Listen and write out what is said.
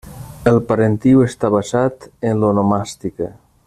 El parentiu està basat en l'onomàstica.